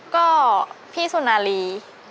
ก็พี่สุนารี